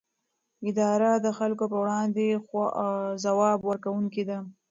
اداره د خلکو پر وړاندې ځواب ورکوونکې ده.